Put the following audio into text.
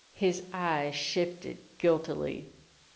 His eyes shifted guiltily.